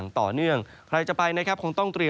ในแต่ละพื้นที่เดี๋ยวเราไปดูกันนะครับ